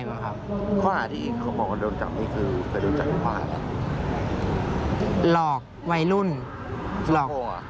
ข้อหน้าที่เขามองว่าโดนจับนี่คือเคยรู้จักหรือเปล่า